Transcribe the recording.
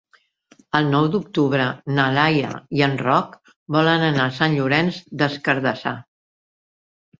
El nou d'octubre na Laia i en Roc volen anar a Sant Llorenç des Cardassar.